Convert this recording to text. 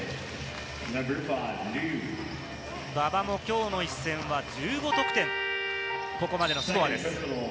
馬場もきょうの一戦は１５得点、ここまでのスコアです。